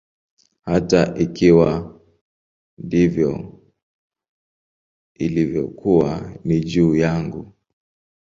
Hata ikiwa ndivyo ilivyokuwa, ni juu yangu.